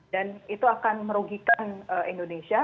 dan itu akan merugikan indonesia